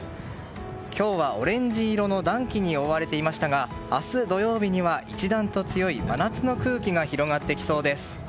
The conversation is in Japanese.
今日はオレンジ色の暖気に覆われていましたが明日土曜日には一段と強い真夏の空気が広がってきそうです。